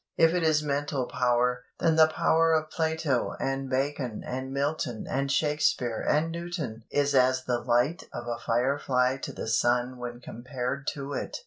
If it is mental power, then the power of Plato and Bacon and Milton and Shakespeare and Newton is as the light of a fire fly to the sun when compared to it.